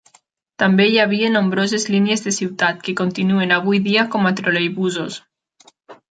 També hi havia nombroses línies de ciutat, que continuen avui dia com a troleibusos.